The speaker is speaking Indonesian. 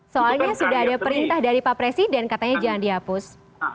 soalnya sudah ada perintah dari pak presiden katanya jangan dihapus